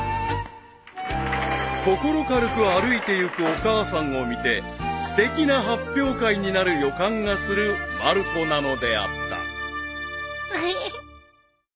［心軽く歩いていくお母さんを見てすてきな発表会になる予感がするまる子なのであった］